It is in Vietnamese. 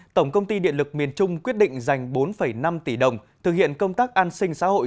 tổng công ty điện lực miền trung quyết định dành bốn năm tỷ đồng thực hiện công tác an sinh xã hội